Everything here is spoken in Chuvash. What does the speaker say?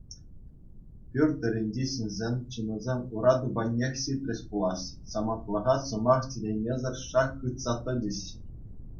Пӳрт тӑрринчи ҫынсен чунӗсем ура тупаннех ҫитрӗҫ пулас, самантлӑха сӑмах чӗнеймесӗр шак хытса тӑчӗҫ.